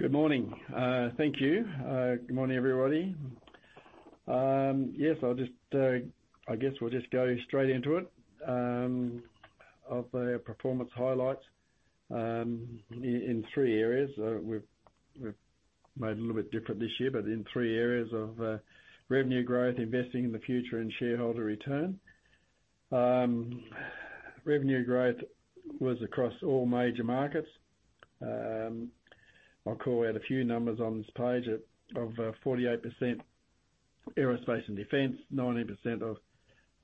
Good morning. Thank you. Good morning, everybody. Yes, I'll just, I guess we'll just go straight into it. Of the performance highlights, in three areas, we've made a little bit different this year, but in three areas of revenue growth, investing in the future, and shareholder return. Revenue growth was across all major markets. I'll call out a few numbers on this page of 48% aerospace and defense, 19% of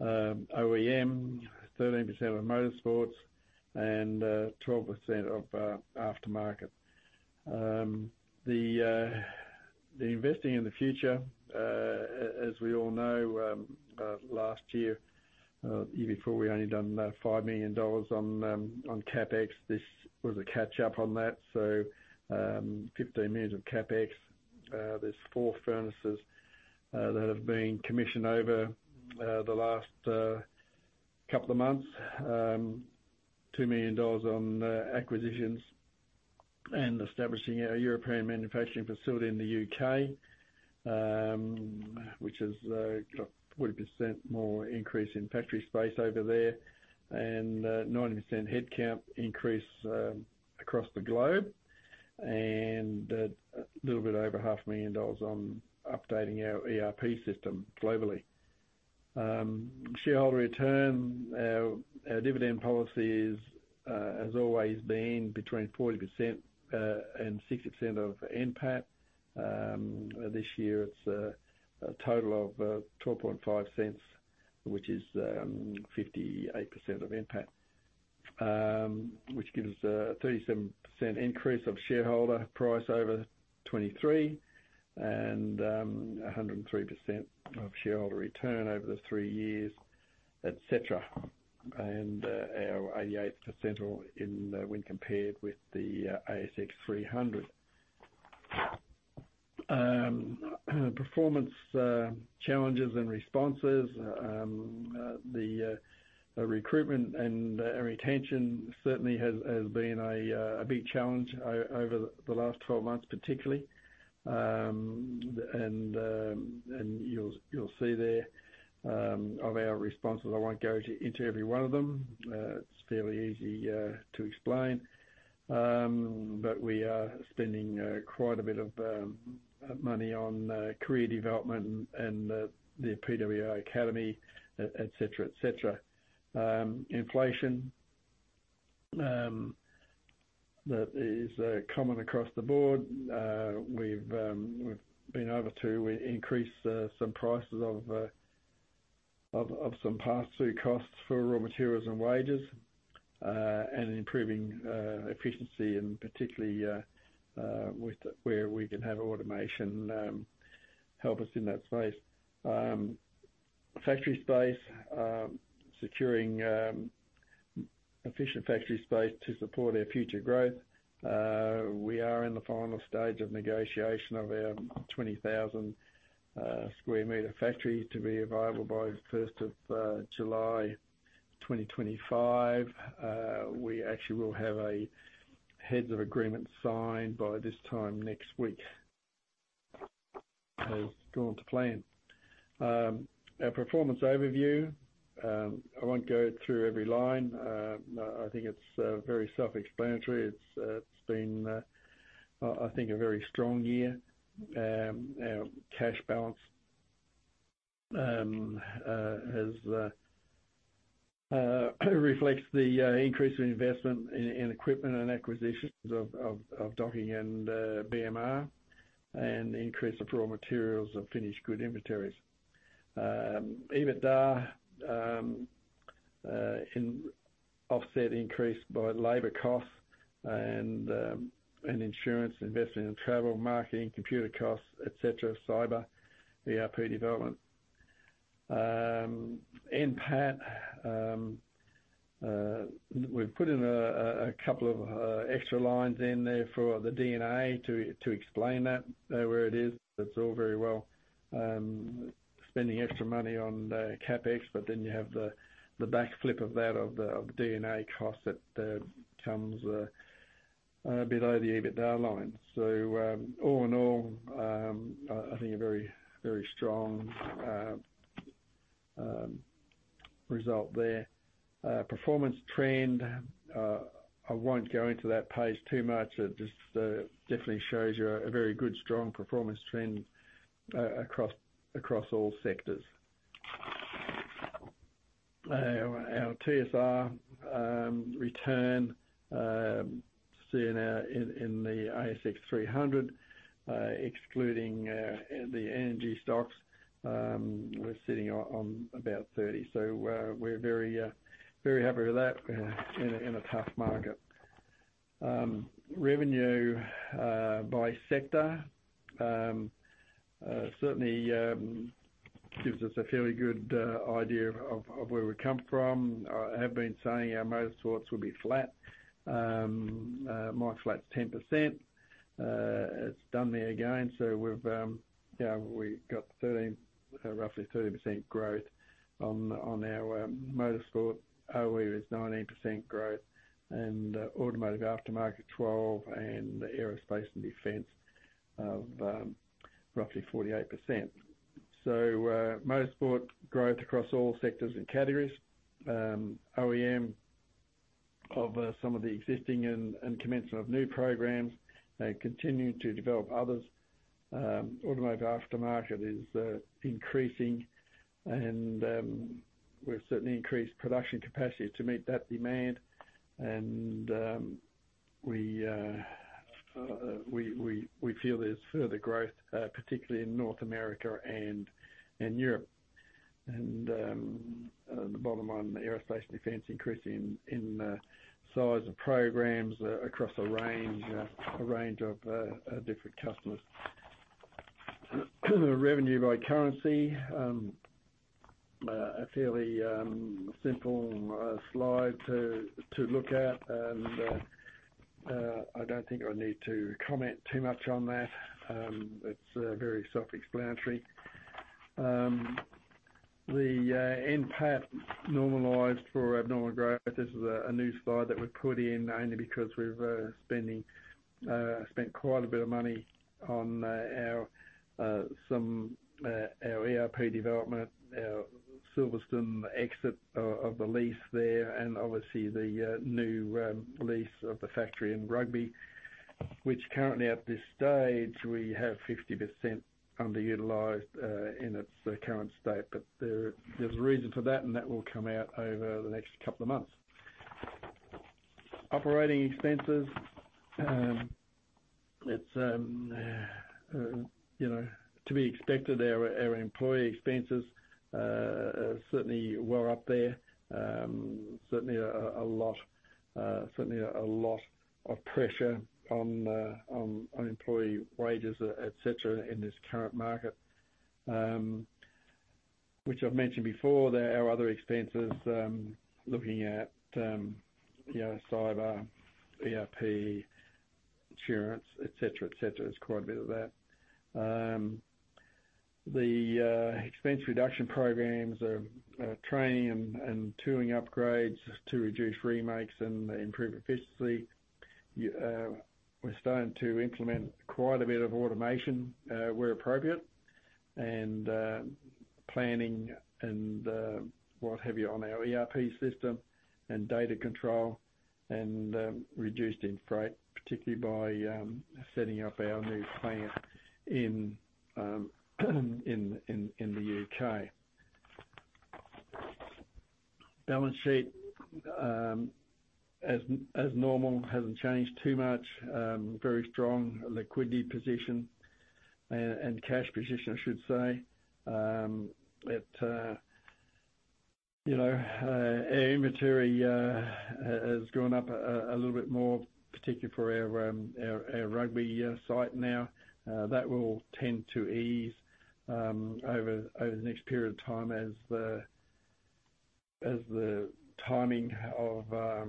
OEM, 13% of motorsports, and 12% of aftermarket. The investing in the future, as we all know, last year, the year before, we only done about $5 million on CapEx. This was a catch up on that, so, $15 million of CapEx. There's four furnaces that have been commissioned over the last couple of months. $2 million on acquisitions and establishing our European manufacturing facility in the U.K.. Which has got 40% more increase in factory space over there, and 90% headcount increase across the globe. A little bit over $500,000 on updating our ERP system globally. Shareholder return, our dividend policy is has always been between 40% and 60% of NPAT. This year it's a total of $0.125, which is 58% of NPAT. Which gives a 37% increase of shareholder price over 2023, and 103% of shareholder return over the three years, et cetera. Our 88 percentile in when compared with the ASX 300. Performance challenges and responses. The recruitment and retention certainly has, has been a big challenge over the last 12 months, particularly. And you'll, you'll see there of our responses, I won't go into every one of them. It's fairly easy to explain. But we are spending quite a bit of money on career development and the PWR Academy, et cetera, et cetera. Inflation, that is common across the board. We've been able to increase some prices of of some pass-through costs for raw materials and wages. Improving efficiency, and particularly with where we can have automation help us in that space. Factory space, securing efficient factory space to support our future growth. We are in the final stage of negotiation of our 20,000 square meter factory to be available by the 1st of July 2025. We actually will have a heads of agreement signed by this time next week, has gone to plan. Our performance overview, I won't go through every line. I think it's very self-explanatory. It's, it's been, I-I think, a very strong year. Our cash balance has reflects the increase in investment in equipment and acquisitions of Docking and BMR, and increase of raw materials and finished good inventories. EBITDA in offset increased by labor costs and insurance, investment in travel, marketing, computer costs, et cetera, cyber, ERP development. NPAT, we've put in a couple of extra lines in there for the D&A to explain that where it is. It's all very well spending extra money on CapEx, but then you have the backflip of that of D&A costs that comes below the EBITDA line. All in all, I think a very, very strong result there. Performance trend, I won't go into that page too much. It just definitely shows you a very good, strong performance trend across all sectors. Our TSR return sitting at, in, in the ASX 300, excluding the energy stocks, we're sitting on about 30. We're very, very happy with that in a tough market. Revenue by sector certainly gives us a fairly good idea of where we've come from. I have been saying our motorsports will be flat, more flat, 10%. It's done there again, so we've, yeah, we've got 13, roughly 13% growth on our motorsport. OE is 19% growth, automotive aftermarket, 12, and aerospace and defense of roughly 48%. Motorsport growth across all sectors and categories. OEM of some of the existing and commencement of new programs, continuing to develop others. Automotive Aftermarket is increasing, and we've certainly increased production capacity to meet that demand. We feel there's further growth, particularly in North America and in Europe. The bottom line, the Aerospace and Defense increase in size of programs across a range of different customers. Revenue by currency. A fairly simple slide to look at, and I don't think I need to comment too much on that. It's very self-explanatory. The NPAT, normalized for abnormal growth. This is a, a new slide that we've put in, only because we've, spending, spent quite a bit of money on, our, some, our ERP development, our Silverstone exit, of the lease there, obviously the, new, lease of the factory in Rugby. Which currently at this stage, we have 50% underutilized, in its current state. There, there's a reason for that, and that will come out over the next couple of months. Operating expenses. It's, you know, to be expected, our, our employee expenses, certainly were up there. Certainly a, a lot, certainly a, a lot of pressure on, on, on employee wages, et cetera, in this current market. Which I've mentioned before, there are other expenses, looking at, you know, cyber, ERP, insurance, et cetera, et cetera. There's quite a bit of that. The expense reduction programs are training and tooling upgrades to reduce remakes and improve efficiency. We're starting to implement quite a bit of automation, where appropriate, and planning and what have you on our ERP system and data control, and reduced in freight, particularly by setting up our new plant in the U.K.. Balance sheet. As normal, hasn't changed too much. Very strong liquidity position and cash position, I should say. It, you know, our inventory has gone up a little bit more, particularly for our Rugby site now. That will tend to ease over, over the next period of time as the, as the timing of raw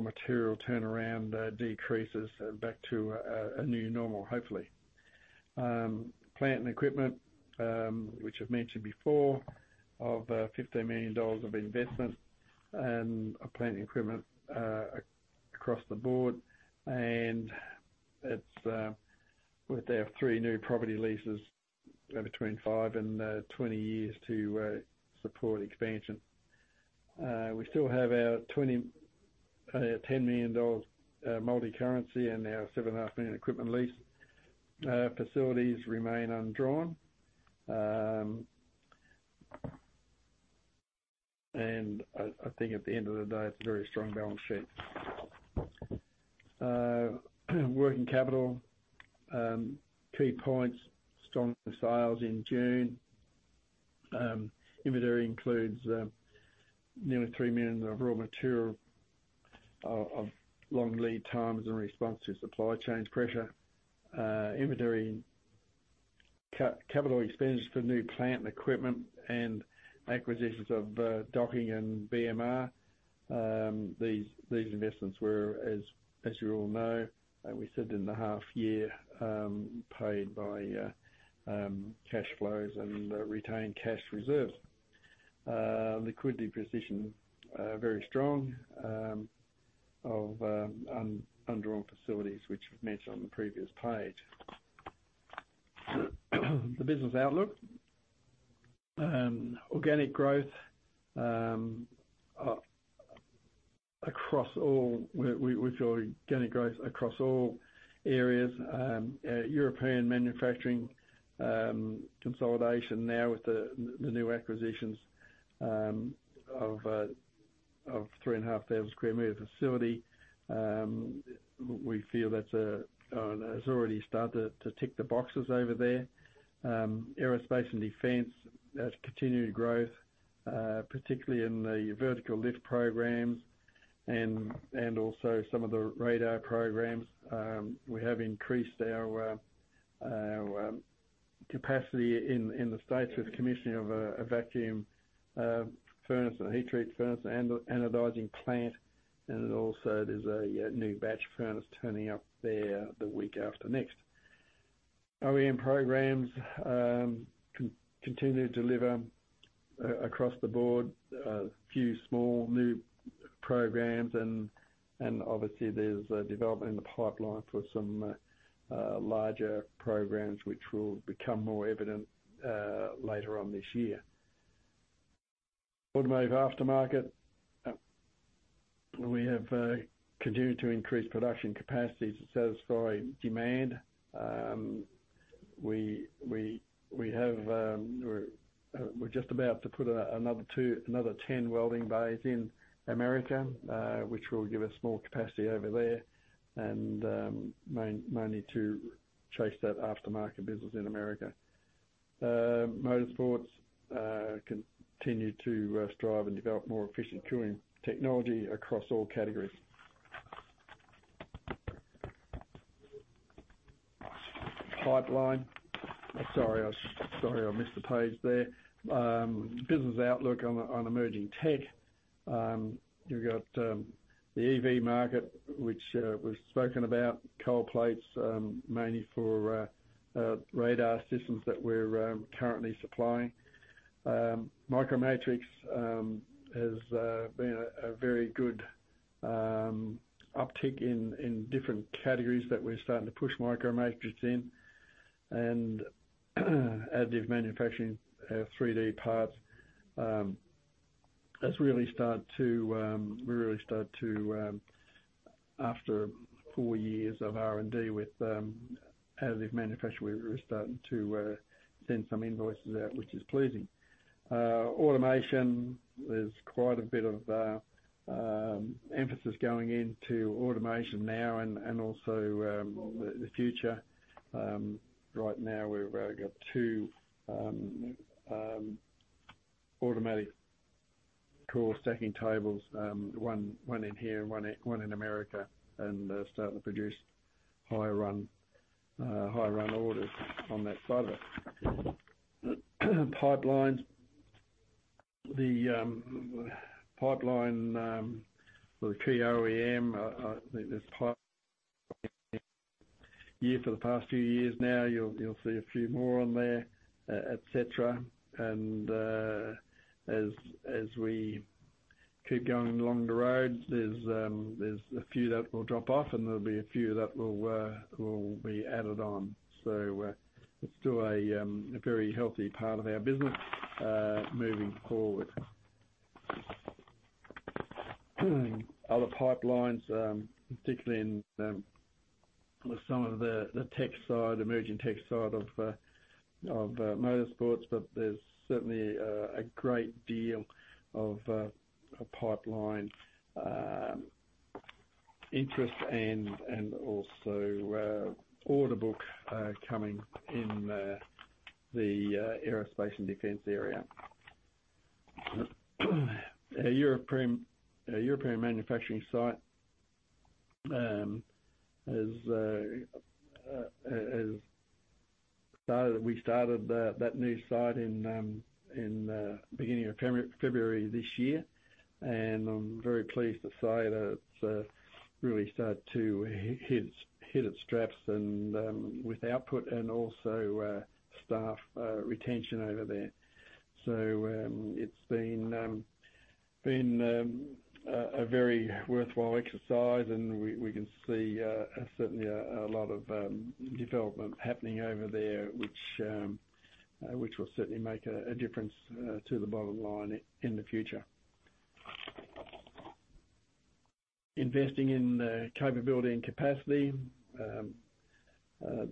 material turnaround decreases back to a new normal, hopefully. Plant and equipment, which I've mentioned before, of 15 million dollars of investment and a plant and equipment across the board. It's with our three new property leases between five and 20 years to support expansion. We still have our 10 million dollars multicurrency and ourAUD 7.5 million equipment lease. Facilities remain undrawn. I think at the end of the day, it's a very strong balance sheet. Working capital. Key points: Strong sales in June. Inventory includes nearly 3 million of raw material of long lead times in response to supply chain pressure. Inventory capital expenditures for new plant and equipment and acquisitions of Docking and BMR. These, these investments were, as, as you all know, we said in the half year, paid by cash flows and retained cash reserves. Liquidity position very strong of undrawn facilities, which we've mentioned on the previous page. The business outlook. Organic growth across all, we, we, we've shown organic growth across all areas. European manufacturing consolidation now with the new acquisitions of 3,500 square meter facility. We feel that's has already started to tick the boxes over there. Aerospace and Defense, that's continued growth, particularly in the Vertical Lift programs and, and also some of the radar programs. We have increased our, our capacity in, in the States with commissioning of a, a vacuum furnace, a heat treat furnace, and anodizing plant. Then also there's a new batch furnace turning up there the week after next. OEM programs continue to deliver. Across the board, a few small new programs, and, and obviously there's a development in the pipeline for some larger programs, which will become more evident later on this year. Automotive aftermarket. We have continued to increase production capacity to satisfy demand. We're just about to put another 10 welding bays in America, which will give us more capacity over there, and mainly to chase that aftermarket business in America. Motorsports continue to strive and develop more efficient tooling technology across all categories. Pipeline. I'm sorry, I missed the page there. Business outlook on emerging tech. You've got the EV market, which we've spoken about. Cold plates, mainly for radar systems that we're currently supplying. Micro Matrix has been a very good uptick in different categories that we're starting to push Micro Matrix in. Additive manufacturing, 3D parts. That's really start to, we're really start to, after four years of R&D with additive manufacturing, we're starting to send some invoices out, which is pleasing. Automation. There's quite a bit of emphasis going into automation now and also the future. Right now, we've got two automatic core stacking tables. One, one in here and one in, one in America, and starting to produce high run, high run orders on that side of it. Pipelines. The pipeline for the key OEM, I think there's year for the past few years now, you'll, you'll see a few more on there, et cetera. As, as we keep going along the road, there's a few that will drop off, and there'll be a few that will be added on. It's still a very healthy part of our business moving forward. Other pipelines, particularly in with some of the, the tech side, emerging tech side of Motorsports, but there's certainly a great deal of a pipeline interest and also order book coming in the Aerospace and Defense area. Our European, our European manufacturing site has started. We started that, that new site in beginning of February, February this year, I'm very pleased to say that it's really start to hit, hit its straps and with output and also staff retention over there. It's been been a a very worthwhile exercise, we we can see certainly a a lot of development happening over there, which which will certainly make a a difference to the bottom line in the future. Investing in the capability and capacity.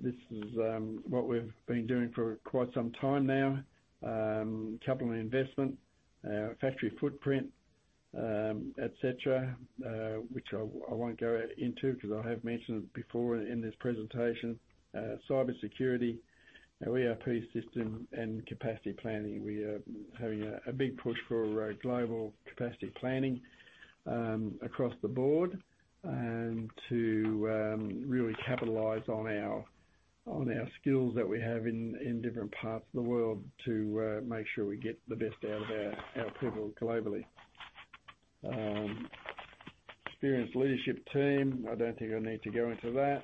This is what we've been doing for quite some time now. Capital investment, factory footprint, et cetera, which I, I won't go into because I have mentioned it before in this presentation. Cybersecurity, our ERP system, and capacity planning. We are having a, a big push for global capacity planning across the board, and to really capitalize on our skills that we have in different parts of the world, to make sure we get the best out of our people globally. Experienced leadership team, I don't think I need to go into that.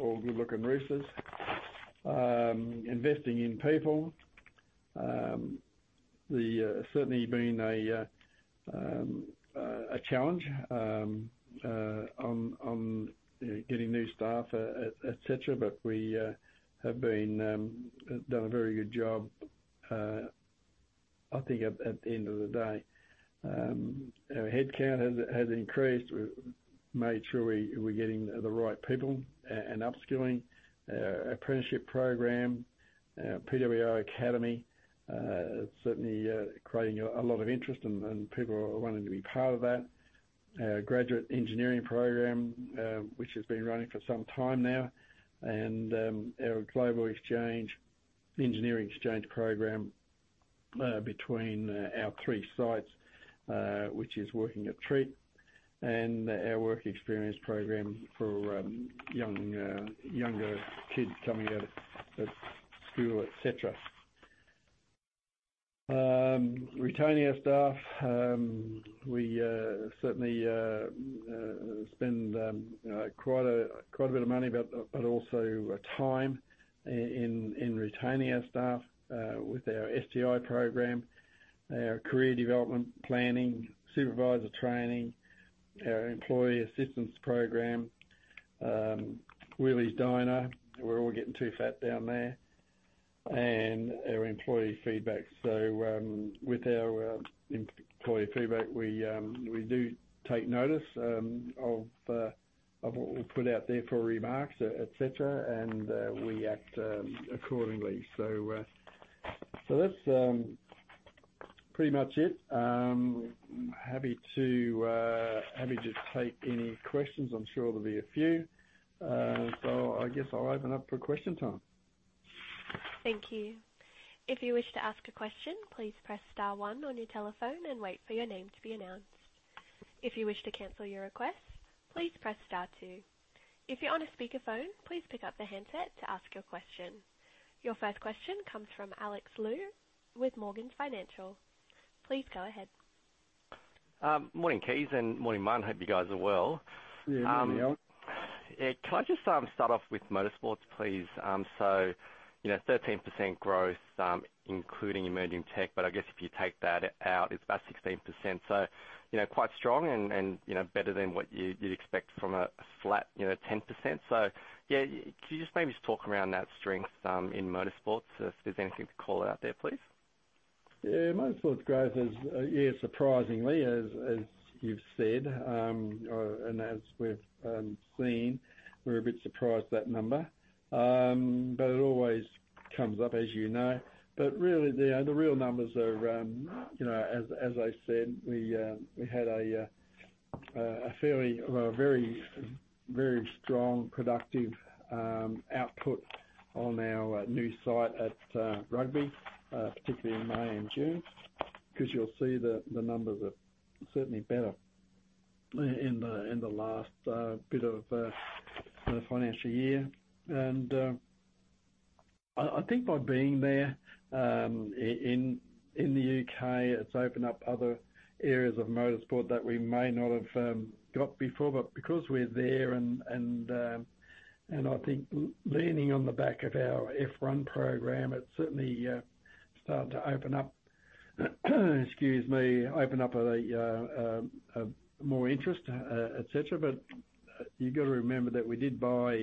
All good-looking roosters. Investing in people, the certainly been a a challenge on on getting new staff, et cetera, but we have been done a very good job, I think at the end of the day. Our headcount has increased. We've made sure we're getting the right people and upskilling. Apprenticeship program, PWR Academy, certainly creating a lot of interest and, and people are wanting to be part of that. Graduate engineering program, which has been running for some time now, and our Global Exchange Engineering Exchange Program, between our three sites, which is working a treat, and our work experience program for young, younger kids coming out of school, et cetera. Retaining our staff. We certainly spend quite a, quite a bit of money, but, but also time i- in, in retaining our staff with our SGI program. Our career development planning, supervisor training, our employee assistance program, Weely's Diner. We're all getting too fat down there. Our employee feedback. With our employee feedback, we do take notice of what we put out there for remarks, et cetera, and we act accordingly. So that's pretty much it. Happy to happy to take any questions. I'm sure there'll be a few. I guess I'll open up for question time. Thank you. If you wish to ask a question, please press star one on your telephone and wait for your name to be announced. If you wish to cancel your request, please press star two. If you're on a speakerphone, please pick up the handset to ask your question. Your first question comes from Alexander Lu with Morgans Financial. Please go ahead. Morning, Kees, and morning, Martin. Hope you guys are well. Yeah. Yeah. Yeah, can I just start off with Motorsports, please? You know, 13% growth, including emerging tech, but I guess if you take that out, it's about 16%. You know, quite strong and, and, you know, better than what you'd, you'd expect from a, a flat, you know, 10%. Yeah, could you just maybe talk around that strength in Motorsports, if there's anything to call out there, please? Yeah, Motorsports growth is, yeah, surprisingly, as, as you've said, and as we've seen, we're a bit surprised at that number. It always comes up, as you know. Really, the, the real numbers are, you know, as, as I said, we had a fairly, well, a very, very strong, productive output on our new site at Rugby, particularly in May and June. 'Cause you'll see that the numbers are certainly better in the last bit of the financial year. I think by being there, in the U.K., it's opened up other areas of Motorsport that we may not have got before, but because we're there and I think leaning on the back of our F1 program, it's certainly starting to open up, excuse me, open up more interest. You've got to remember that we did buy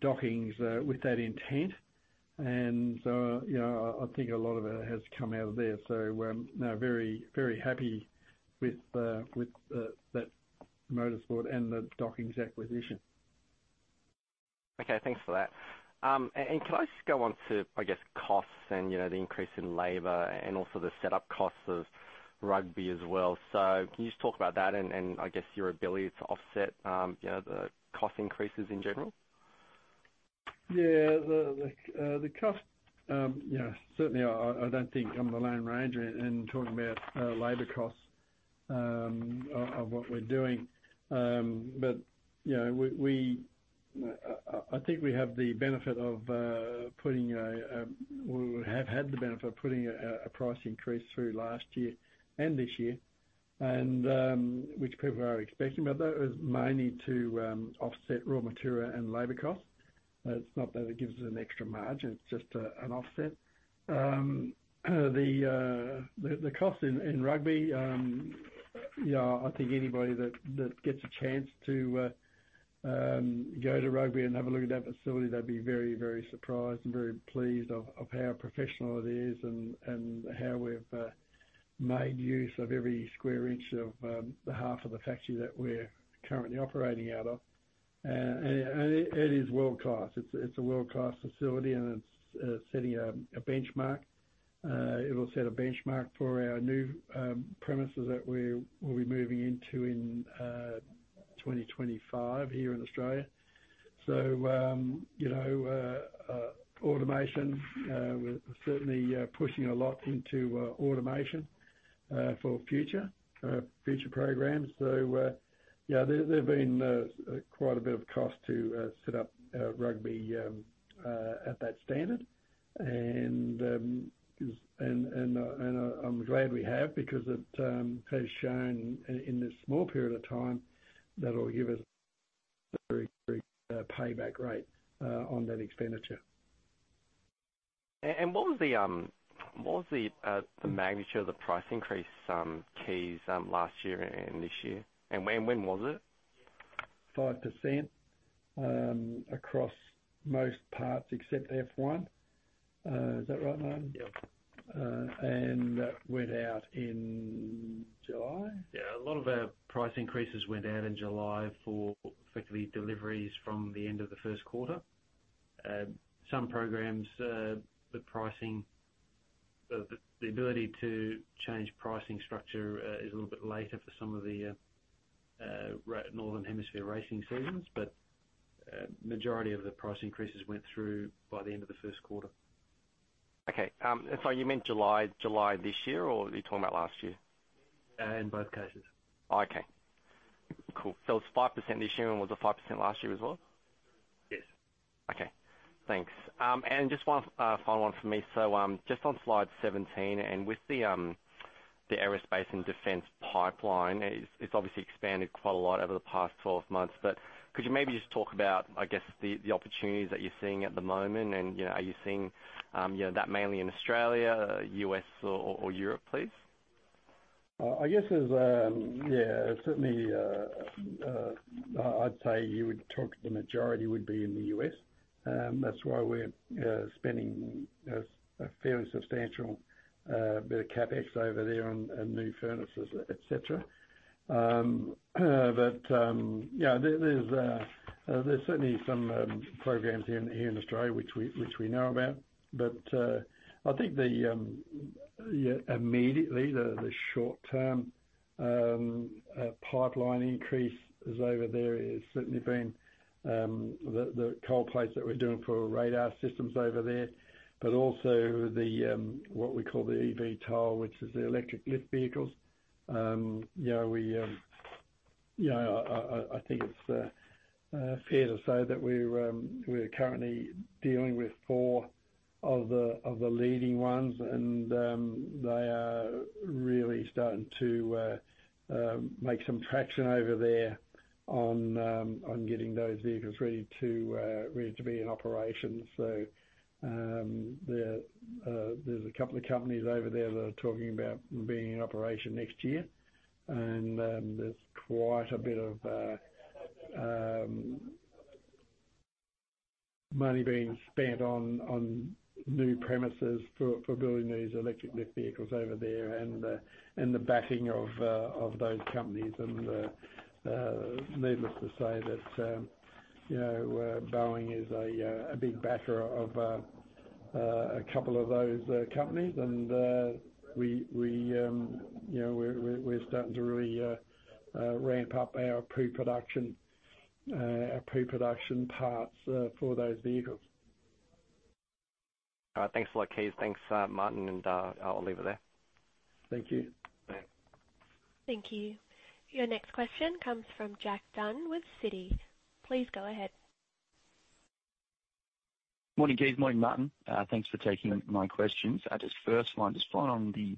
Docking with that intent. You know, I think a lot of it has come out of there, so, very, very happy with the, that Motorsport and the Docking acquisition. Okay, thanks for that. Can I just go on to, I guess, costs and, you know, the increase in labor and also the setup costs of Rugby as well? Can you just talk about that and, and I guess your ability to offset, you know, the cost increases in general? Yeah, the, the, the cost, yeah, certainly I, I don't think I'm the lone ranger in talking about labor costs of what we're doing. You know, we, we, I, I think we have the benefit of putting a, we have had the benefit of putting a price increase through last year and this year, which people are expecting, but that was mainly to offset raw material and labor costs. It's not that it gives us an extra margin, it's just an offset. The, the cost in Rugby, you know, I think anybody that gets a chance to go to Rugby and have a look at that facility, they'd be very, very surprised and very pleased of how professional it is and how we've made use of every square inch of the half of the factory that we're currently operating out of. It is world-class. It's a world-class facility, and it's setting a benchmark. It'll set a benchmark for our new premises that we're, we'll be moving into in 2025 here in Australia. You know, automation, we're certainly pushing a lot into automation for future future programs. Yeah, there, there've been quite a bit of cost to set up Rugby at that standard. And, and, and I'm glad we have, because it has shown in this small period of time that it'll give us a very great payback rate on that expenditure. What was the, what was the magnitude of the price increase, Kees, last year and this year? When, when was it? 5% across most parts except F1. Is that right, Martin? Yep. That went out in July? Yeah, a lot of our price increases went out in July for effectively deliveries from the end of the first quarter. Some programs, the pricing, the, the ability to change pricing structure, is a little bit later for some of the northern hemisphere racing seasons, but majority of the price increases went through by the end of the first quarter. Okay, so you meant July, July this year, or are you talking about last year? In both cases. Okay, cool. It's 5% this year, and was it 5% last year as well? Yes. Okay, thanks. Just one final one for me. Just on slide 17, and with the aerospace and defense pipeline, it's, it's obviously expanded quite a lot over the past 12 months, but could you maybe just talk about, I guess, the, the opportunities that you're seeing at the moment? You know, are you seeing, you know, that mainly in Australia, U.S., or, or Europe, please? I guess there's, yeah, certainly, I'd say you would talk to the majority would be in the U.S. That's why we're spending a fair substantial bit of CapEx over there on new furnaces, et cetera. Yeah, there's certainly some programs here in Australia which we know about. I think the, yeah, immediately, the short-term pipeline increase is over there. It's certainly been the cold plates that we're doing for our radar systems over there, but also what we call the eVTOL, which is the electric lift vehicles. I think it's fair to say that we're currently dealing with four of the leading ones, and they are really starting to make some traction over there on getting those vehicles ready to be in operation. There's a couple of companies over there that are talking about being in operation next year, and there's quite a bit of money being spent on new premises for building these electric lift vehicles over there and the backing of those companies. Needless to say that, you know, Boeing is a big backer of a couple of those companies. We, we, you know, we're, we're, we're starting to really, ramp up our pre-production, our pre-production parts, for those vehicles. All right. Thanks a lot, Kees. Thanks, Martin. I'll leave it there. Thank you. Bye. Thank you. Your next question comes from Jack Dunn with Citi. Please go ahead. Morning, Kees, morning, Martin. Thanks for taking my questions. I just, first one, just following on the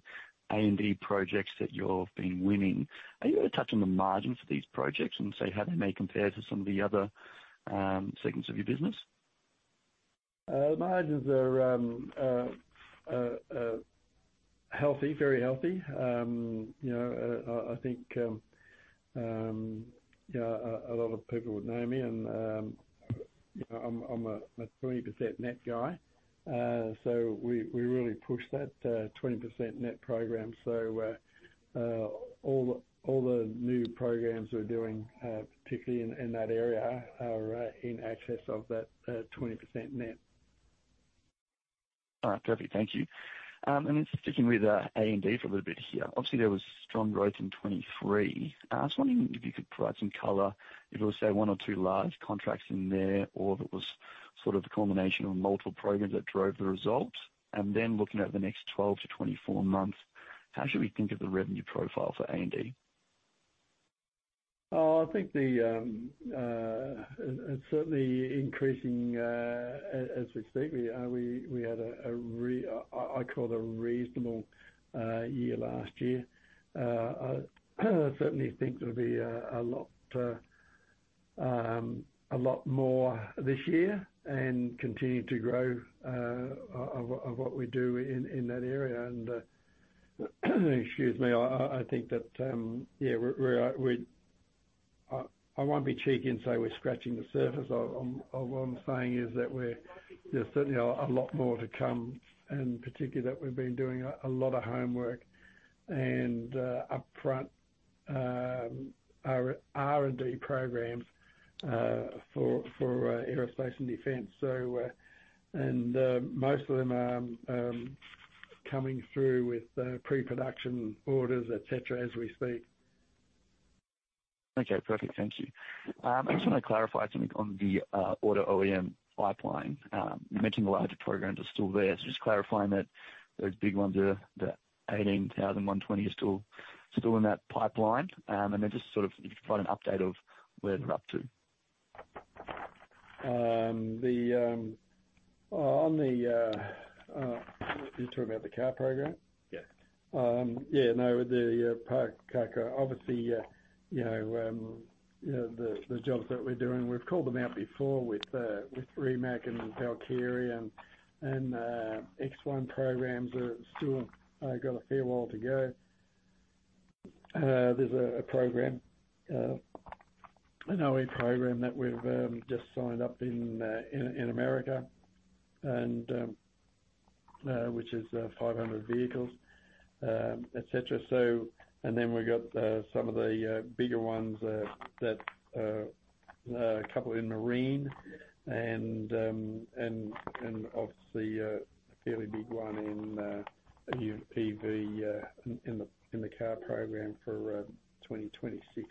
A&D projects that you've been winning. Are you gonna touch on the margins for these projects and say how they may compare to some of the other segments of your business? Margins are healthy, very healthy. You know, I think, you know, a lot of people would know me, and, you know, I'm a 20% net guy. We really push that 20% net program. All the new programs we're doing, particularly in that area, are in excess of that 20% net. All right. Perfect. Thank you. Then sticking with A&D for a little bit here. Obviously, there was strong growth in 2023. I was wondering if you could provide some color, if it was, say, one or two large contracts in there, or if it was sort of the culmination of multiple programs that drove the result? Then looking at the next 12-24 months, how should we think of the revenue profile for A&D? Oh, I think the, it's certainly increasing as we speak. We, we had a, I call it a reasonable year last year. I certainly think there'll be a lot more this year and continue to grow of what we do in that area. Excuse me, I, I, I think that, yeah, we're, we're, I, I won't be cheeky and say we're scratching the surface. What I'm, what I'm saying is that we're, there's certainly a lot more to come, and particularly that we've been doing a lot of homework and upfront R&D programs for aerospace and defense. Most of them are coming through with pre-production orders, et cetera, as we speak. Okay, perfect. Thank you. I just wanna clarify something on the order OEM pipeline. You mentioned a lot of the programs are still there. Just clarifying that those big ones, are the 18,000 120,000 is still in that pipeline. Just sort of if you could provide an update of where they're up to. You're talking about the car program? Yes. Yeah, no, the car, obviously, you know, you know, the jobs that we're doing, we've called them out before with Rimac and Valkyrie and X1 programs are still got a fair while to go. There's a program, an OE program that we've just signed up in America, which is 500 vehicles, et cetera. Then we've got some of the bigger ones that couple in marine and obviously a fairly big one in EV in the car program for 2026.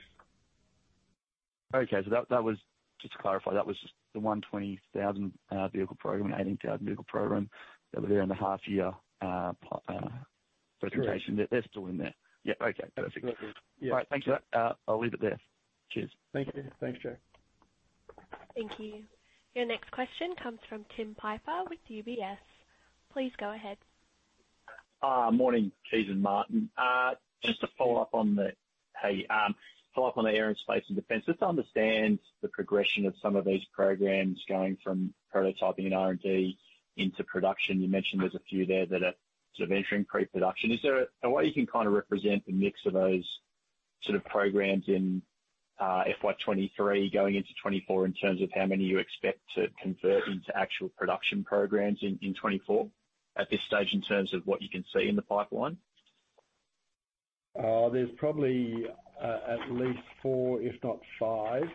Okay. That, that was just to clarify, that was the 120,000 vehicle program and 18,000 vehicle program that were there in the half year presentation. Correct. They're still in there? Yeah. Okay, perfect. Exactly, yeah. All right. Thanks for that. I'll leave it there. Cheers. Thank you. Thanks, Jack. Thank you. Your next question comes from Tim Piper with UBS. Please go ahead. Morning, Kees and Martin. Just to follow up on the Aerospace and Defense, just to understand the progression of some of these programs going from prototyping and R&D into production. You mentioned there's a few there that are sort of entering pre-production. Is there a way you can kind of represent the mix of those sort of programs in FY 2023 going into 2024, in terms of how many you expect to convert into actual production programs in 2024, at this stage, in terms of what you can see in the pipeline? There's probably, at least four, if not five,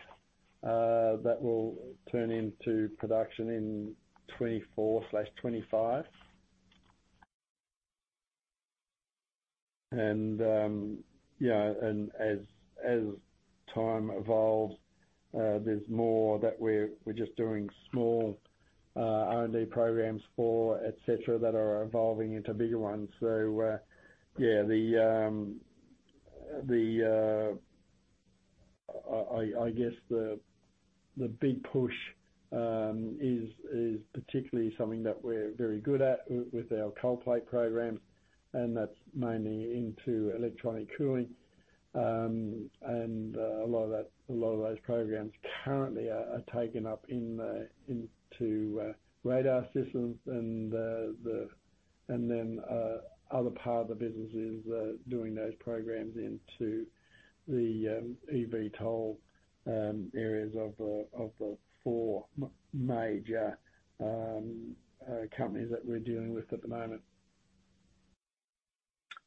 that will turn into production in 2024/2025. Yeah, as time evolves, there's more that we're just doing small R&D programs for et cetera, that are evolving into bigger ones. Yeah, I guess the big push is particularly something that we're very good at with our cold plate programs, and that's mainly into electronic cooling. A lot of that, a lot of those programs currently are taken up in the, into, radar systems. Then, other part of the business is doing those programs into the eVTOL areas of the four major companies that we're dealing with at the moment.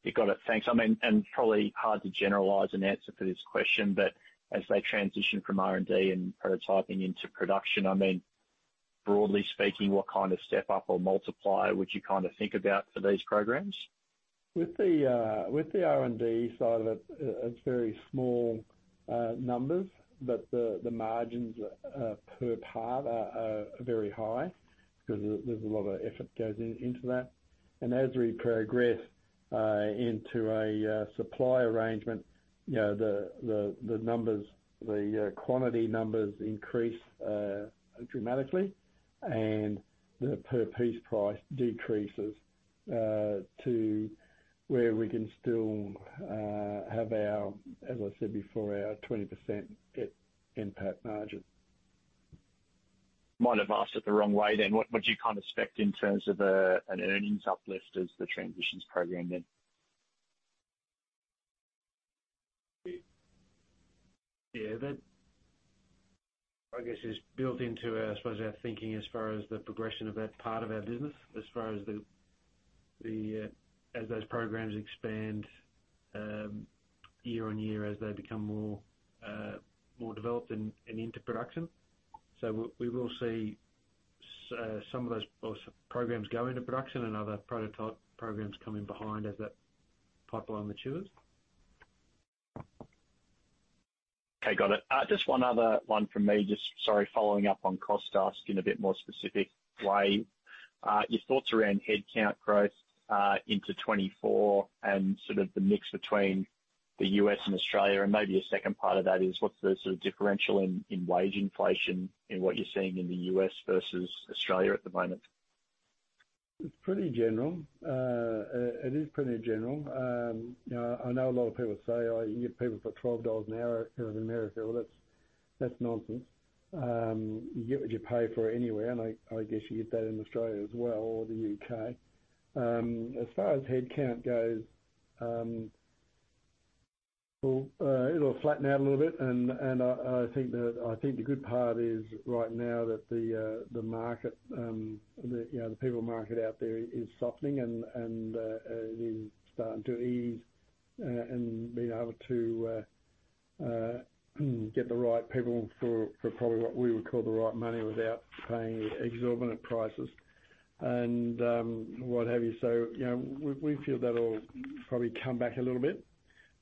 Yeah, got it. Thanks. I mean, probably hard to generalize an answer for this question, but as they transition from R&D and prototyping into production, I mean, broadly speaking, what kind of step up or multiplier would you kind of think about for these programs? With the, with the R&D side of it, it's very small numbers, but the margins per part are very high because there's a lot of effort goes into that. As we progress into a supply arrangement, you know, the numbers, the quantity numbers increase dramatically, and the per piece price decreases to where we can still have our, as I said before, our 20% NPAT margin. Might have asked it the wrong way then. What, what do you kind of expect in terms of an earnings uplift as the transitions program then? Yeah, that, I guess, is built into, I suppose, our thinking as far as the progression of that part of our business, as far as the, the, as those programs expand year on year, as they become more developed and, and into production. We, we will see some of those programs go into production and other prototype programs coming behind as that pipeline matures. Okay, got it. Just one other one from me, sorry, following up on cost ask in a bit more specific way. Your thoughts around headcount growth into 2024 and sort of the mix between the U.S. and Australia? Maybe a second part of that is, what's the sort of differential in wage inflation in what you're seeing in the U.S. versus Australia at the moment? It's pretty general. It is pretty general. You know, I know a lot of people say, "Oh, you can get people for $12 an hour in America." Well, that's, that's nonsense. You get what you pay for anywhere, and I, I guess you get that in Australia as well, or the U.K.. As far as headcount goes, well, it'll flatten out a little bit and, and I, I think the, I think the good part is right now that the market, the, you know, the people market out there is softening and, and it is starting to ease and being able to get the right people for, for probably what we would call the right money without paying exorbitant prices and what have you. You know, we, we feel that'll probably come back a little bit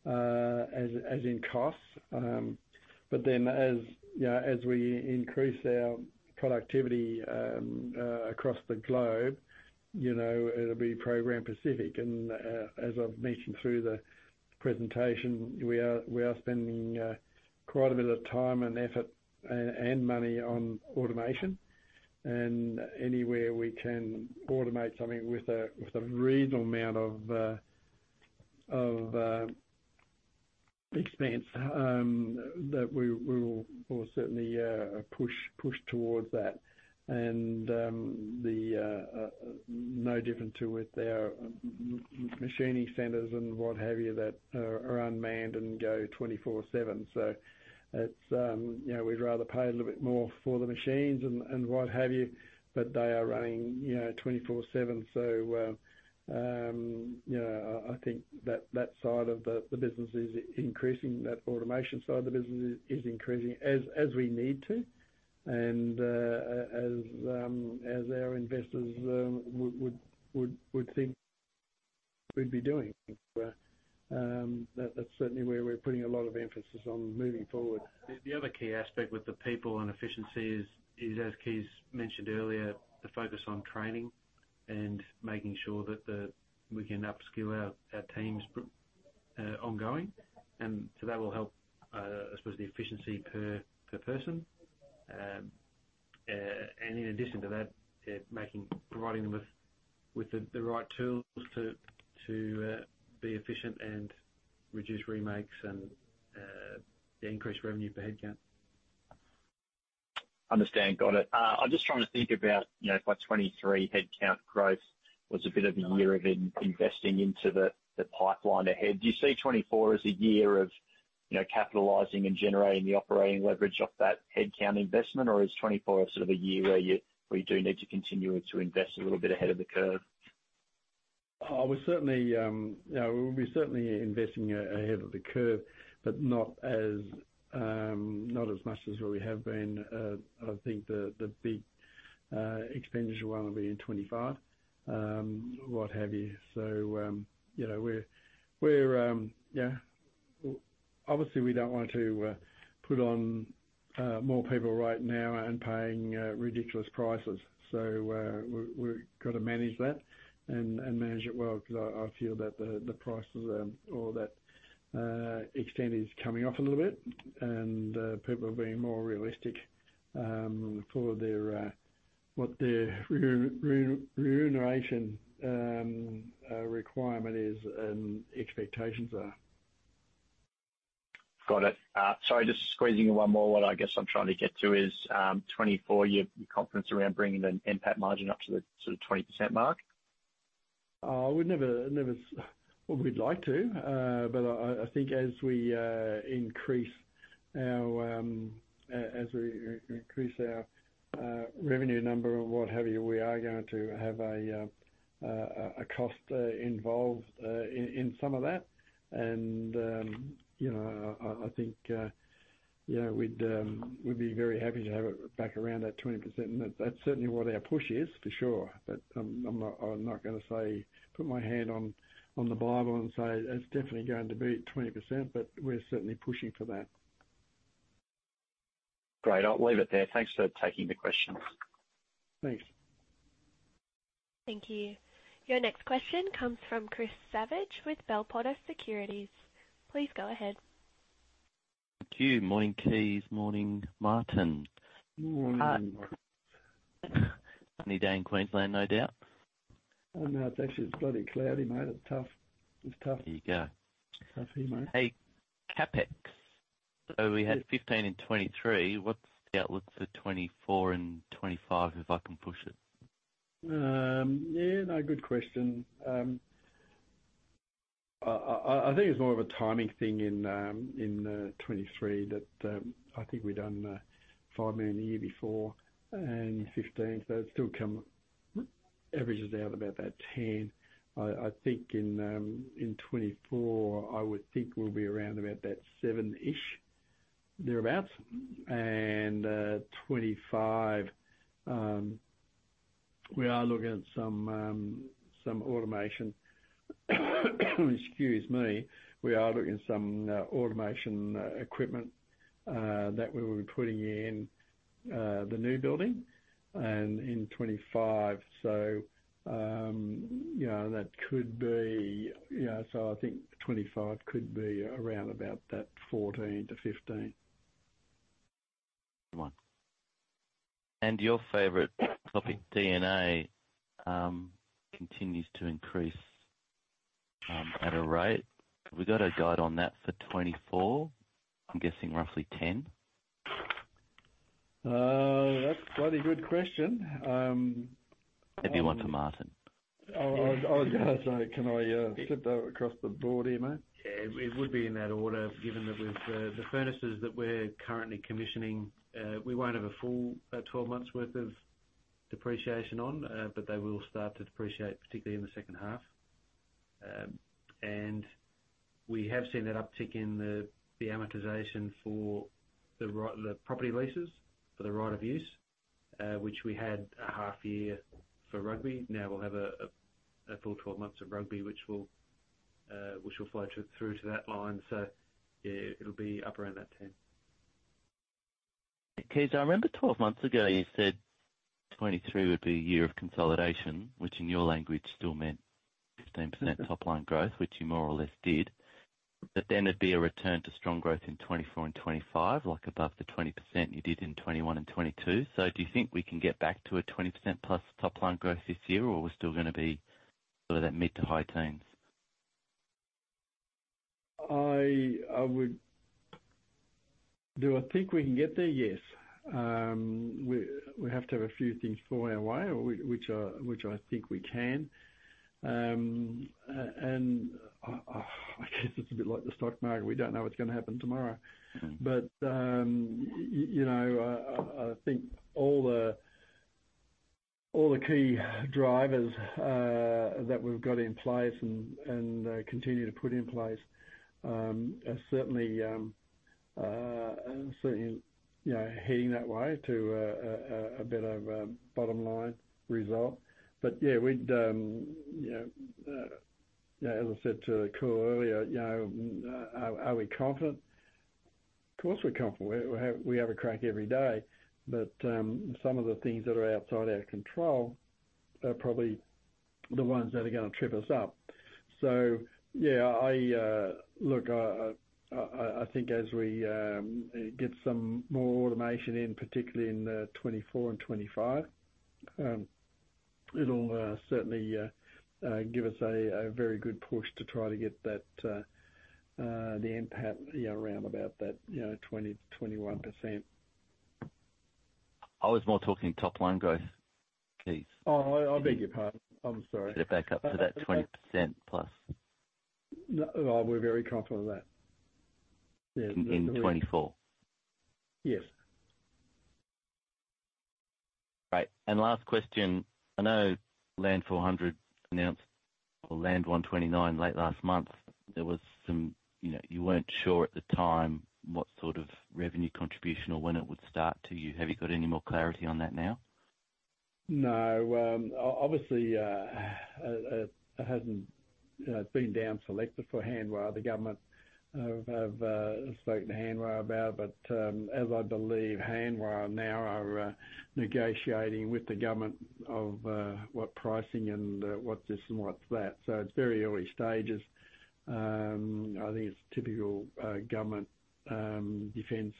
as, as in costs. As, you know, as we increase our productivity across the globe, you know, it'll be program specific. As I've mentioned through the presentation, we are, we are spending quite a bit of time and effort and money on automation. Anywhere we can automate something with a, with a reasonable amount of expense, that we, we will, we'll certainly push, push towards that. The no different to with our machining centers and what have you, that are unmanned and go 24/7. It's, you know, we'd rather pay a little bit more for the machines and, and what have you, but they are running, you know, 24/7. You know, I, I think that, that side of the, the business is increasing, that automation side of the business is, is increasing as, as we need to and, as our investors, would, would, would, would think we'd be doing. That, that's certainly where we're putting a lot of emphasis on moving forward. The other key aspect with the people and efficiency is, as Kees mentioned earlier, the focus on training and making sure that we can upskill our teams ongoing, and so that will help, I suppose, the efficiency per person. In addition to that, it providing them with the right tools to be efficient and reduce remakes and increase revenue per headcount. Understand. Got it. I'm just trying to think about, you know, if by 2023 headcount growth was a bit of a year of investing into the, the pipeline ahead. Do you see 2024 as a year of, you know, capitalizing and generating the operating leverage off that headcount investment? Or is 2024 sort of a year where you, where you do need to continue to invest a little bit ahead of the curve? We're certainly, you know, we'll be certainly investing ahead of the curve, but not as much as we have been. I think the big expenditure one will be in 2025, what have you. You know, we're, we're, yeah, obviously we don't want to put on more people right now and paying ridiculous prices. We're, we've got to manage that, and manage it well, because I feel that the prices, or that extent is coming off a little bit. People are being more realistic for their what their remuneration requirement is, and expectations are. Got it. Sorry, just squeezing in one more. What I guess I'm trying to get to is, 2024, your confidence around bringing the NPAT margin up to the sort of 20% mark. We'd never, never. Well, we'd like to, but I think as we increase our as we increase our revenue number and what have you, we are going to have a cost involved in some of that. You know, I think, you know, we'd be very happy to have it back around that 20%. That's certainly what our push is, for sure. I'm not, I'm not gonna say, put my hand on the Bible and say, "It's definitely going to be 20%," but we're certainly pushing for that. Great. I'll leave it there. Thanks for taking the question. Thanks. Thank you. Your next question comes from Chris Savage with Bell Potter Securities. Please go ahead. Thank you. Morning, Kees. Morning, Martin. Morning. Sunny day in Queensland, no doubt? Oh, no, it's actually bloody cloudy, mate. It's tough. It's tough. There you go. It's tough here, mate. Hey, CapEx, we had 15 in 2023. What's the outlook for 2024 and 2025, if I can push it? Yeah, no good question. I think it's more of a timing thing in 2023 that I think we'd done 5 million the year before and 15, so it still come, averages out about that 10. I think in 2024, I would think we'll be around about that seven-ish, thereabout. 2025, we are looking at some automation. Excuse me. We are looking at some automation equipment that we will be putting in the new building, and in 2025. you know, that could be... Yeah, so I think 2025 could be around about that 14-15. One. Your favorite topic, DNA, continues to increase, at a rate. Have we got a guide on that for 2024? I'm guessing roughly 10. That's a bloody good question. If you want to, Martin. Oh, I was gonna say, can I flip that across the board here, mate? Yeah, it would be in that order, given that with the furnaces that we're currently commissioning, we won't have a full 12 months worth of depreciation on, but they will start to depreciate, particularly in the second half. We have seen that uptick in the amortization for the property leases, for the right-of-use, which we had a half year for Rugby. Now we'll have a full 12 months of Rugby, which will flow through to that line. Yeah, it'll be up around that 10. Kees, I remember 12 months ago, you said 2023 would be a year of consolidation, which in your language still meant 15% top line growth, which you more or less did. Then there'd be a return to strong growth in 2024 and 2025, like above the 20% you did in 2021 and 2022. Do you think we can get back to a 20%+ top line growth this year, or we're still gonna be sort of that mid-to-high teens? I would... Do I think we can get there? Yes. We have to have a few things fall our way, or which I think we can. I guess it's a bit like the stock market, we don't know what's going to happen tomorrow. Mm. You know, I, I, I think all the, all the key drivers that we've got in place and, and continue to put in place are certainly, certainly, you know, heading that way to a, a, a better bottom line result. Yeah, we'd, you know, you know, as I said to Cole earlier, you know, are, are we confident? Of course, we're comfortable. We have, we have a crack every day, but some of the things that are outside our control are probably the ones that are gonna trip us up. Yeah, I look, I, I, I think as we get some more automation in, particularly in 2024 and 2025, it'll certainly give us a very good push to try to get that the NPAT, yeah, around about that, you know, 20%-21%. I was more talking top line growth, Kees. Oh, I beg your pardon. I'm sorry. Get it back up to that 20%+. No, oh, we're very confident of that. Yeah. In 2024? Yes. Great. Last question: I know Land 400 announced, or Land 129 late last month, there was some... You know, you weren't sure at the time what sort of revenue contribution or when it would start to you. Have you got any more clarity on that now? No. Obviously, it hasn't, you know, been down selected for Hanwha. The government have, have spoken to Hanwha about it, but, as I believe, Hanwha now are negotiating with the government of what pricing and what this and what that. It's very early stages. I think it's typical government defense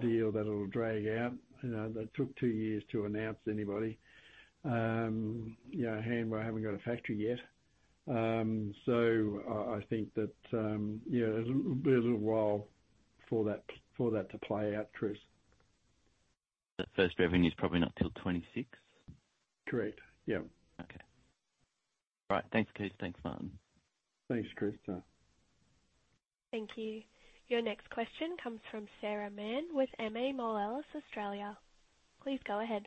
deal that it'll drag out. You know, that took two years to announce anybody. You know, Hanwha haven't got a factory yet. I, I think that, yeah, it'll be a little while for that, for that to play out, Chris. The first revenue is probably not till 2026? Correct. Yeah. Okay. All right. Thanks, Kees. Thanks, Martin. Thanks, Chris. Bye. Thank you. Your next question comes from Sarah Mann with MA Moelis Australia. Please go ahead.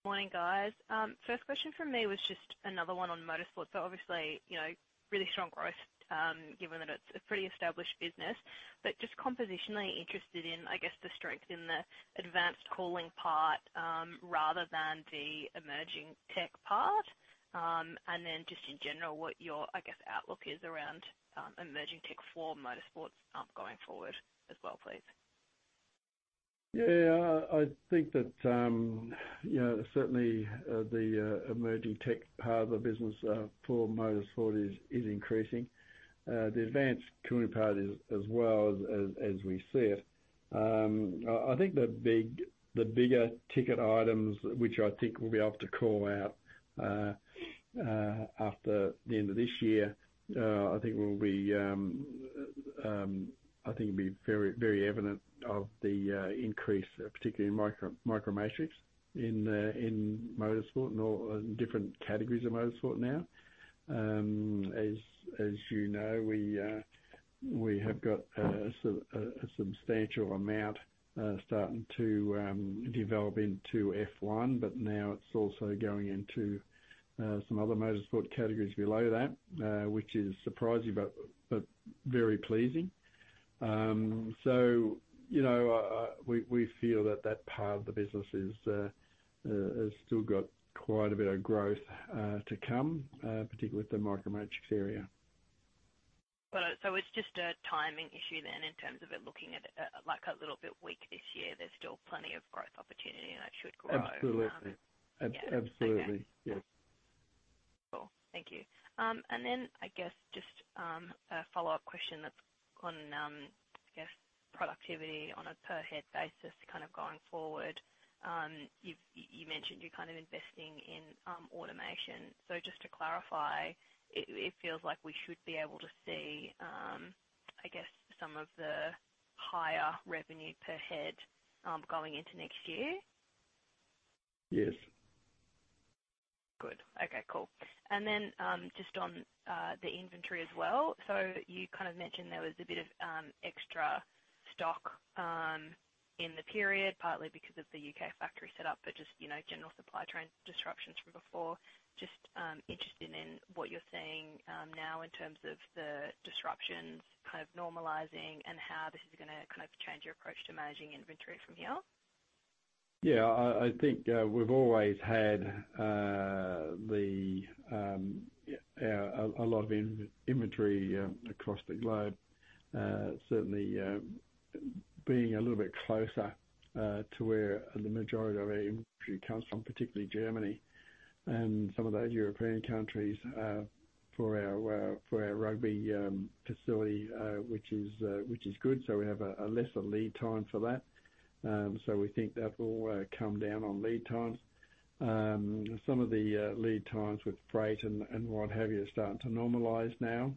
Morning, guys. First question from me was just another one on motorsport. Obviously, you know, really strong growth, given that it's a pretty established business, but just compositionally interested in, I guess, the strength in the advanced cooling part, rather than the emerging tech part. Then just in general, what your, I guess, outlook is around, emerging tech for motorsports, going forward as well, please. Yeah, I think that, you know, certainly, the emerging tech part of the business, for motorsport is, is increasing. The advanced cooling part is as well as, as, as we see it. I, I think the big, the bigger ticket items, which I think we'll be able to call out, after the end of this year, I think will be, I think it'll be very, very evident of the increase, particularly in Micro Matrix in motorsport and all different categories of motorsport now. As, as you know, we have got a substantial amount, starting to develop into F1, but now it's also going into some other motorsport categories below that, which is surprising, but very pleasing. You know, we, we feel that that part of the business is, has still got quite a bit of growth, to come, particularly with the Micro Matrix area. It's just a timing issue then, in terms of it looking at it, like a little bit weak this year, there's still plenty of growth opportunity, and it should grow? Absolutely. Absolutely. Yeah. Yes. Cool. Thank you. Then I guess just a follow-up question that's on, I guess, productivity on a per head basis kind of going forward. You, you mentioned you're kind of investing in, automation. Just to clarify, it, it feels like we should be able to see, I guess, some of the higher revenue per head, going into next year? Yes. Good. Okay, cool. Then, just on the inventory as well. You kind of mentioned there was a bit of extra stock in the period, partly because of the U.K. factory setup, but just, you know, general supply chain disruptions from before. Just interested in what you're seeing now in terms of the disruptions kind of normalizing and how this is gonna kind of change your approach to managing inventory from here? Yeah, I, I think, we've always had the, yeah, a lot of inventory across the globe. Certainly, being a little bit closer to where the majority of our inventory comes from, particularly Germany and some of those European countries, for our for our Rugby facility, which is which is good. We have a lesser lead time for that. We think that will come down on lead times. Some of the lead times with freight and what have you, are starting to normalize now.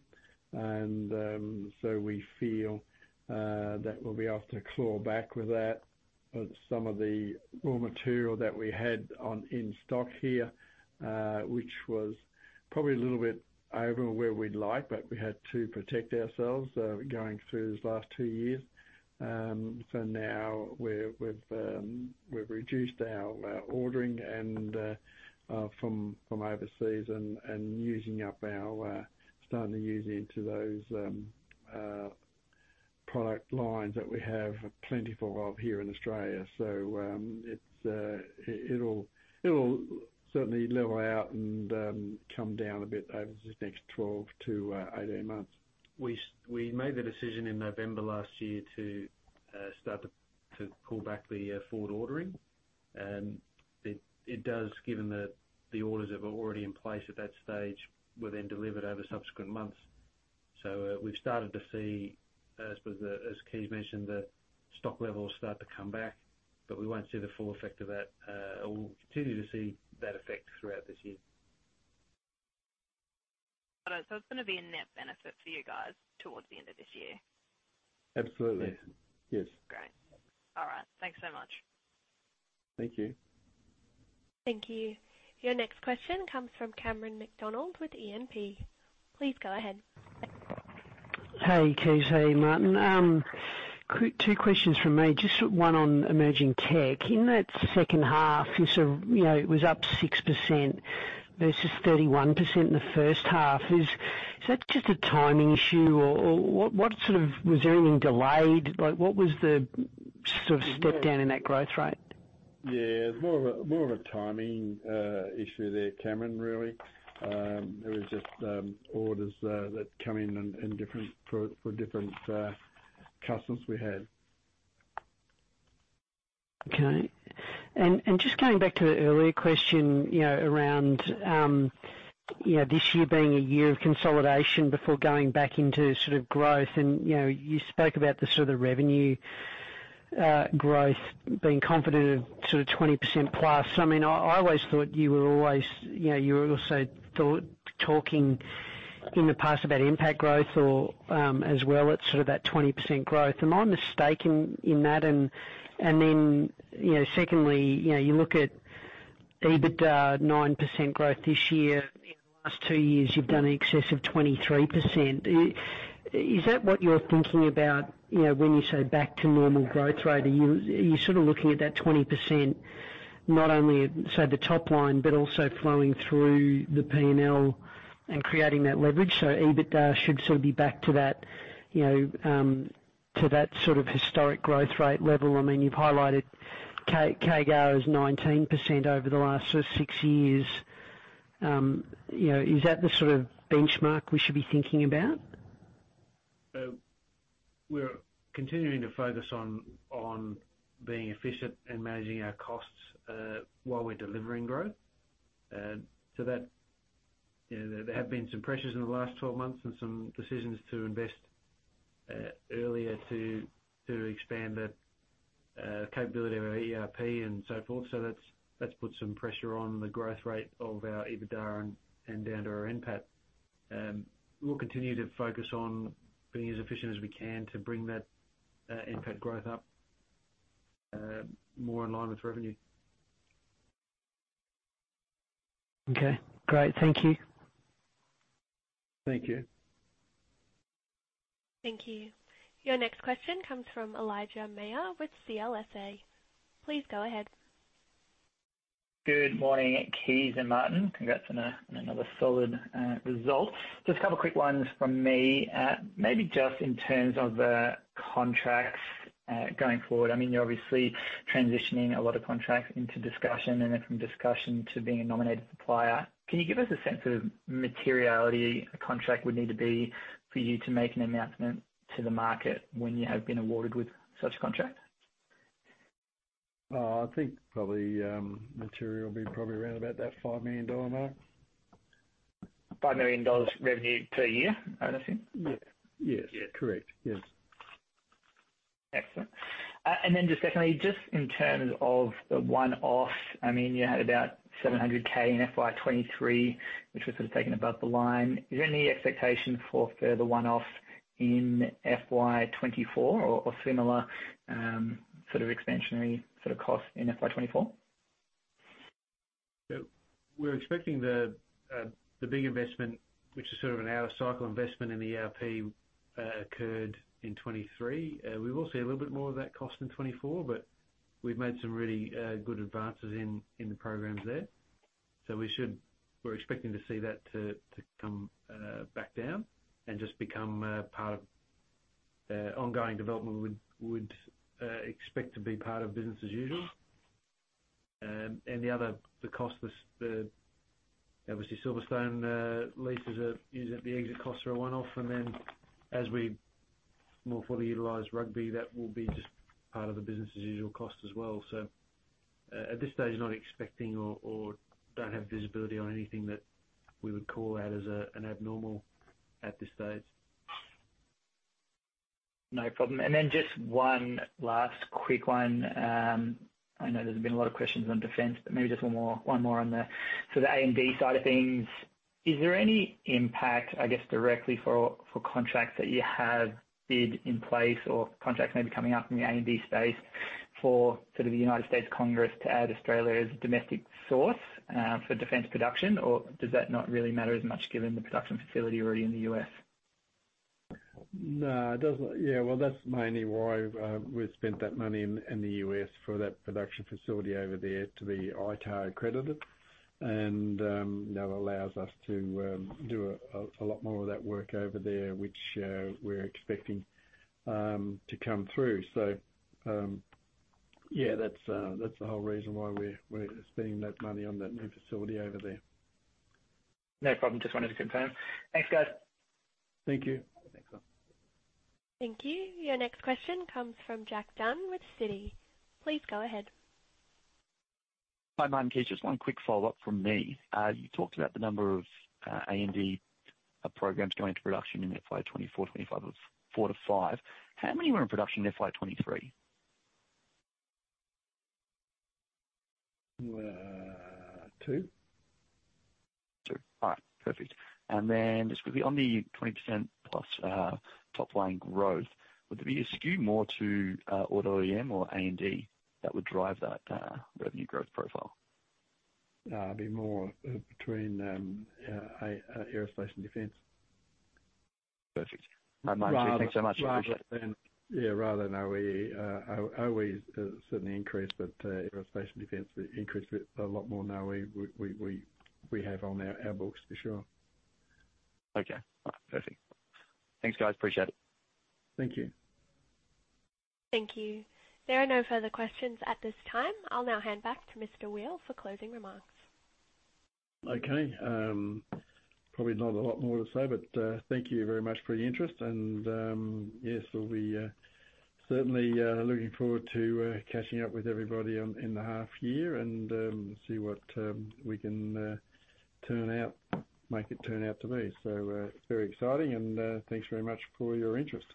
So we feel that we'll be able to claw back with that of some of the raw material that we had on, in stock here, which was probably a little bit over where we'd like, but we had to protect ourselves going through these last two years. Now we've reduced our ordering and from, from overseas and, and using up our, starting to use into those product lines that we have plentiful of here in Australia. It'll certainly level out and come down a bit over the next 12-18 months. We made the decision in November last year to start to pull back the forward ordering. It, it does, given that the orders that were already in place at that stage were then delivered over subsequent months. We've started to see, I suppose, as Kees mentioned, the stock levels start to come back, but we won't see the full effect of that, or we'll continue to see that effect throughout this year. Got it. It's gonna be a net benefit for you guys toward the end of this year? Absolutely. Yes. Great. All right. Thanks so much. Thank you. Thank you. Your next question comes from Cameron McDonald with E&P. Please go ahead. Hey, Kees. Hey, Martin. Two questions from me. Just one on emerging tech. In that second half, you sort of, you know, it was up 6% versus 31% in the first half. Is, is that just a timing issue, or, or what, what sort of? Was there anything delayed? Like, what was the sort of step down in that growth rate? Yeah, it's more of a, more of a timing issue there, Cameron, really. There was just orders that come in in different for, for different customers we had. Okay. Just going back to the earlier question, you know, around, you know, this year being a year of consolidation before going back into sort of growth. You know, you spoke about the sort of revenue, growth, being confident of sort of 20%+. I mean, I, I always thought you were always, you know, you also thought talking in the past about impact growth or, as well as sort of that 20% growth. Am I mistaken in that? Then, you know, secondly, you know, you look at EBITDA 9% growth this year. In the last two years, you've done in excess of 23%. Is that what you're thinking about, you know, when you say back to normal growth rate? Are you sort of looking at that 20%, not only at, say, the top line, but also flowing through the P&L and creating that leverage, so EBITDA should sort of be back to that, you know, to that sort of historic growth rate level? I mean, you've highlighted CAGR as 19% over the last six years. You know, is that the sort of benchmark we should be thinking about? We're continuing to focus on, on being efficient and managing our costs, while we're delivering growth. That, you know, there have been some pressures in the last 12 months and some decisions to invest earlier to expand the capability of our ERP and so forth. That's, that's put some pressure on the growth rate of our EBITDA and down to our NPAT. We'll continue to focus on being as efficient as we can to bring that NPAT growth up more in line with revenue. Okay, great. Thank you. Thank you. Thank you. Your next question comes from Elijah Mayr with CLSA. Please go ahead. Good morning, Kees and Martin. Congrats on, on another solid result. Just a couple quick ones from me. Maybe just in terms of the contracts going forward, I mean, you're obviously transitioning a lot of contracts into discussion and then from discussion to being a nominated supplier. Can you give us a sense of materiality a contract would need to be for you to make an announcement to the market when you have been awarded with such a contract? I think probably material will be probably around about that 5 million dollar mark. 5 million dollars revenue per year, I assume? Yeah. Yes. Yeah. Correct, yes. Excellent. Then just secondly, just in terms of the one-off, I mean, you had about 700K in FY 2023, which was sort of taken above the line. Is there any expectation for further one-off in FY 2024 or, or similar, sort of expansionary sort of cost in FY 2024? We're expecting the big investment, which is sort of an out of cycle investment in the ERP, occurred in 2023. We will see a little bit more of that cost in 2024, but we've made some really good advances in the programs there. We're expecting to see that to come back down and just become part of the ongoing development. We would, we would expect to be part of business as usual. The other, the cost, the, the, obviously, Silverstone leases are the exit costs are a one-off, then as we more fully utilize Rugby, that will be just part of the business as usual cost as well. At this stage, not expecting or, or don't have visibility on anything that we would call out as an abnormal at this stage. No problem. Then just one last quick one. I know there's been a lot of questions on defense, but maybe just one more, one more on the A&D side of things. Is there any impact, I guess, directly for, for contracts that you have bid in place or contracts maybe coming up in the A&D space for sort of the United States Congress to add Australia as a domestic source for defense production? Does that not really matter as much given the production facility already in the U.S.? No, it doesn't. Yeah, well, that's mainly why we spent that money in the U.S. for that production facility over there to be ITAR accredited. That allows us to do a lot more of that work over there which we're expecting to come through. Yeah, that's the whole reason why we're spending that money on that new facility over there. No problem. Just wanted to confirm. Thanks, guys. Thank you. Thanks a lot. Thank you. Your next question comes from Jack Dunn with Citi. Please go ahead. Hi, Martin, Kees, just one quick follow-up from me. You talked about the number of, A&D, programs going into production in FY 2024, 2025, of four to five. How many were in production in FY 2023? Two. Two. All right, perfect. Then just quickly on the 20% plus top line growth, would there be a skew more to auto OEM or A&D that would drive that revenue growth profile? It'd be more, between, aerospace and defense. Perfect. Rather- Thanks so much. Appreciate it. Yeah, rather than OE. OE certainly increased, but aerospace and defense increased it a lot more than OE we, we, we have on our, our books, for sure. Okay. All right, perfect. Thanks, guys. Appreciate it. Thank you. Thank you. There are no further questions at this time. I'll now hand back to Kees Weel for closing remarks. Okay. Probably not a lot more to say, but thank you very much for the interest. Yes, we'll be certainly looking forward to catching up with everybody on, in the half year and see what we can turn out, make it turn out to be. It's very exciting and thanks very much for your interest.